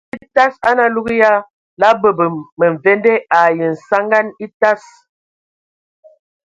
Alug etas a nə alug ya la bəbə məmvende ai nsanəŋa atas.